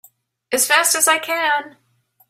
As fast as I can!